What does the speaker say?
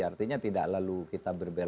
artinya tidak lalu kita berbeda